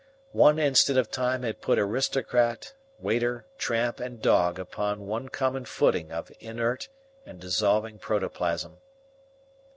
One instant of time had put aristocrat, waiter, tramp, and dog upon one common footing of inert and dissolving protoplasm.